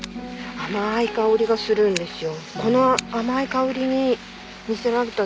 甘い香りがするんですね。